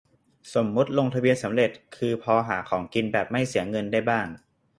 สมมติลงทะเบียนสำเร็จ คือพอหาของกินแบบไม่เสียเงินได้บ้าง